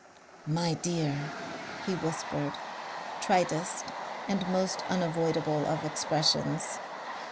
"My dear!" he whispered, tritest and most unavoidable of expressions.